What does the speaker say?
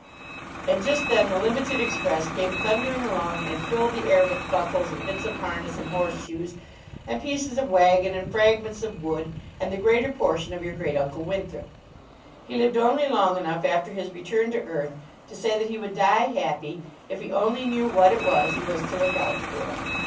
"And just then the limited express came thundering along and filled the air with buckles, and bits of harness, and horse shoes, and pieces of wagon, and fragments of wood, and the greater portion of your great uncle Winthrop. He lived only long enough, after his return to earth, to say that he would die happy if he only knew what it was he was to look out for."